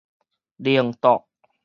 靈桌